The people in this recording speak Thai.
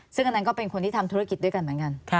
ซึ่งอันนั้นก็เป็นคนที่ทำธุรกิจด้วยกันเหมือนกัน